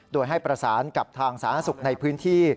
โดยให้ประสานกับทางสาธารณสุขในพื้นที่